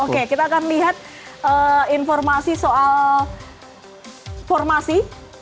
oke kita akan lihat informasi soal formasi